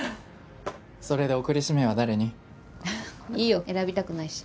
それで送り指名は誰に？ははっいいよ選びたくないし。